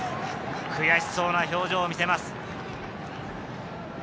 悔しそうな表情を見せます。